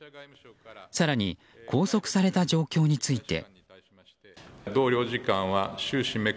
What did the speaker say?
更に、拘束された状況について。